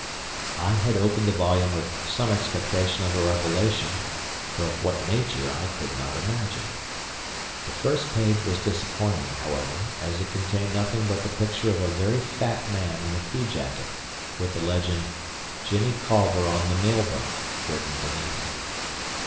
I had opened the volume with some expectation of a revelation, though of what nature I could not imagine. The first page was disappointing, however, as it contained nothing but the picture of a very fat man in a pea jacket, with the legend, "Jimmy Colver on the Mail boat," written beneath it.